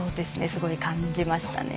すごい感じましたね。